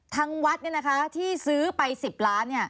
ทางวัดที่ซื้อไป๑๐ล้าน